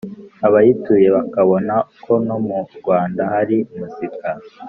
abayituye bakabona ko no mu rwanda hari muzika.